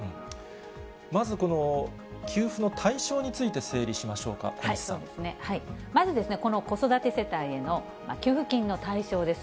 まずこの給付の対象についてまずこの子育て世帯への給付金の対象です。